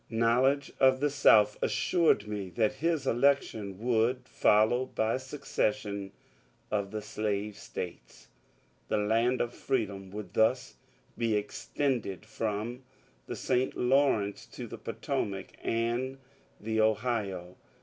Knowledge of the South assured me that his election would be followed by secession of the slave States. The land of Freedom would thus be extended from the St. Lawrence to the Potomac and the Ohio.